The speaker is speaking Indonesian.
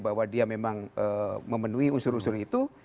bahwa dia memang memenuhi unsur unsur itu